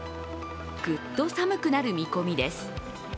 グッと寒くなる見込みです。